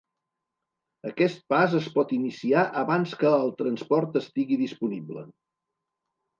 Aquest pas es pot iniciar abans que el transport estigui disponible.